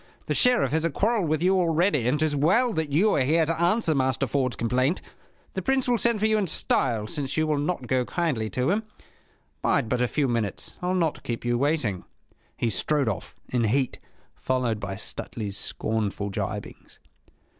The Sheriff has a quarrel with you already, and 'tis well that you are here to answer Master Ford's complaint. The Prince will send for you in style, since you will not go kindly to him. Bide but a few minutes. I'll not keep you waiting!" He strode off, in heat, followed by Stuteley's scornful gibings.